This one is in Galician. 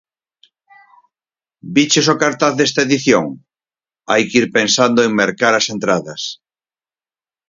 Viches o cartaz desta edición? Hai que ir pensando en mercar as entradas.